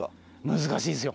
難しいですよ。